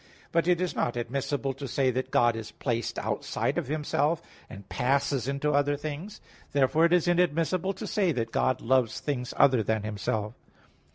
But it is not admissible to say that God is placed outside of Himself, and passes into other things. Therefore it is inadmissible to say that God loves things other than Himself.